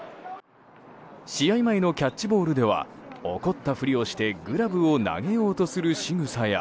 試合前のキャッチボールでは怒ったふりをしてグラブを投げようとするしぐさや